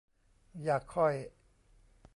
อย่าค่อย